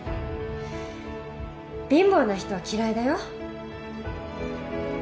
貧乏な人は嫌いだよ。